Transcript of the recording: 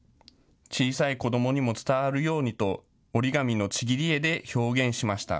小さい子どもにも伝わるようにと折り紙のちぎり絵で表現しました。